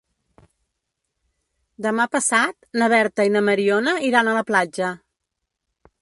Demà passat na Berta i na Mariona iran a la platja.